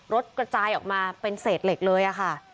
กระจายออกมาเป็นเศษเหล็กเลยค่ะ